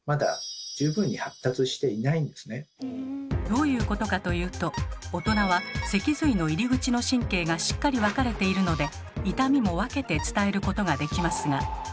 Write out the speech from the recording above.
どういうことかというと大人は脊髄の入り口の神経がしっかり分かれているので痛みも分けて伝えることができますが。